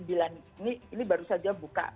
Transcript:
ini baru saja buka